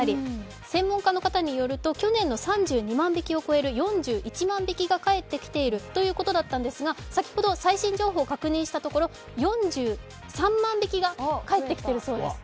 専門家の方によると、去年の３２万匹を超える４１万匹が帰ってきているということだったんですが、先ほど最新情報確認したところ４３万匹が帰ってきてるそうです。